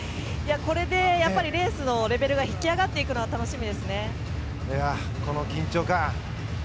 これでレースのレベルが引き上がっていくのはこの緊張感。